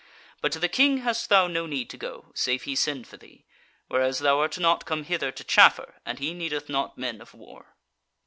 But to the King hast thou no need to go, save he send for thee, whereas thou art not come hither to chaffer, and he needeth not men of war."